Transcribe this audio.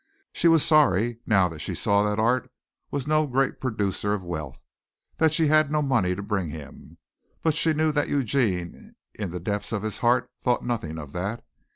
She was sorry, now that she saw that art was no great producer of wealth, that she had no money to bring him, but she knew that Eugene in the depth of his heart thought nothing of that.